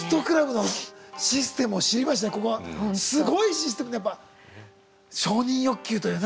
すごいシステムでやっぱ承認欲求というね。